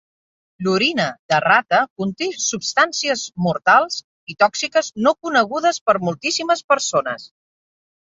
L'orina de rata conté substàncies mortals i tòxiques no conegudes per moltíssimes persones.